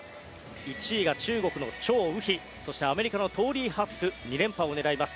１位が中国のチョウ・ウヒそして、アメリカのトーリー・ハスク２連覇を狙います。